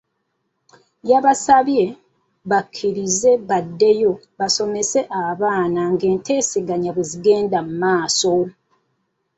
Yabasabye bakkirize baddeyo basomese abaana ng'enteeseganya bwe zigenda mu maaso.